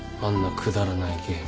くだらないゲーム。